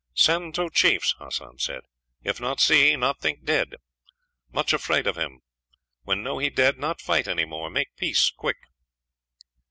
"Send to chiefs," Hassan said. "If not see, not think dead. Much afraid of him. When know he dead, not fight any more; make peace quick."